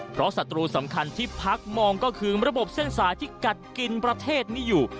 เพราะศัตรูสำคัญที่พักมองก็คือระบบเส้นสายที่กัดกินประเทศนี้อยู่